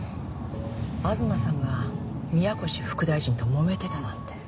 東さんが宮越副大臣ともめてたなんて。